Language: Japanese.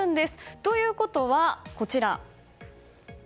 ということは、こちら。